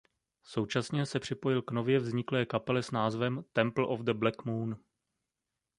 Současně se připojil k nově vzniklé kapele s názvem Temple of the Black Moon.